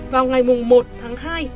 vào ngày một tháng hai